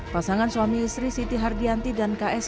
pasangan suami istri siti hardianti dan ks